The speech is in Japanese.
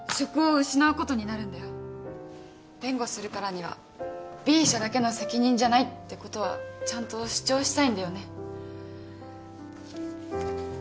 弁護するからにはＢ社だけの責任じゃないってことはちゃんと主張したいんだよね。